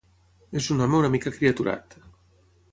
És un home una mica acriaturat.